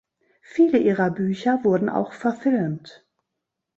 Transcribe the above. Viele ihrer Bücher wurden auch verfilmt.